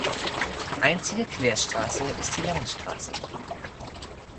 Einzige Querstraße ist die Langenstraße.